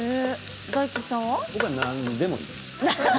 僕は何でもいい。